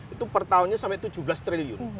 itu pertahunnya sampai tujuh belas triliun